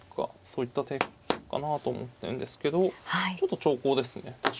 そういった手かなと思ってるんですけどちょっと長考ですね確かに。